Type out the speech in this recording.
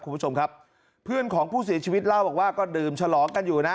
คุณผู้ชมครับเพื่อนของผู้เสียชีวิตเล่าบอกว่าก็ดื่มฉลองกันอยู่นะ